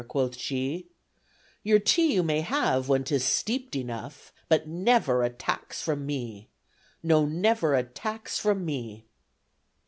quoth she, "Your tea you may have when 'tis steeped enough, But never a tax from me, No, never a tax from me!"